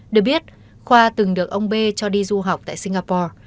được biết khoa từng được ông b cho đi du học tại singapore